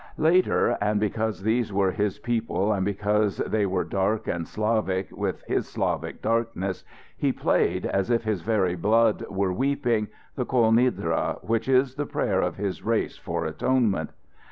Later, and because these were his people and because they were dark and Slavic with his Slavic darkness, he played, as if his very blood were weeping, the "Kol Nidre," which is the prayer of his race for atonement.